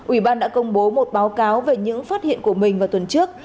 ủy ban đã công bố một báo cáo về những phát hiện của mình vào tuần trước